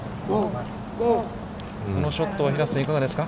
このショットは、平瀬さん、いかがですか。